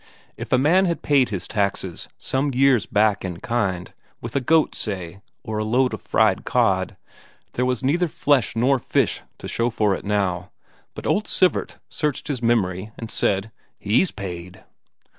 If a man had paid his taxes some years back in kind, with a goat, say, or a load of dried cod, there was neither flesh nor fish to show for it now; but old Sivert searched his memory and said, "He's paid!"